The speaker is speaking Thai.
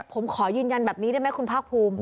ผมขอยืนยันแบบนี้ได้ไหมคุณภาคภูมิ